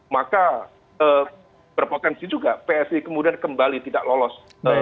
maka berpotensi juga psi kemudian kembali tidak lolos